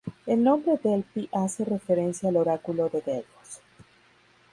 El nombre "Delphi" hace referencia al oráculo de Delfos.